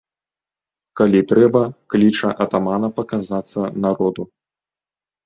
Калі трэба, кліча атамана паказацца народу.